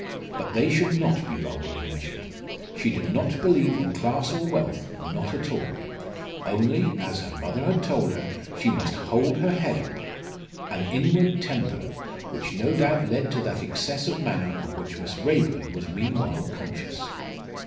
But they should not be vulgarly measured. She did not believe in class or wealth not at all. Only as her mother had told her she must hold her head up. An inward temper, which no doubt led to that excess of manner of which Miss Raeburn was meanwhile conscious.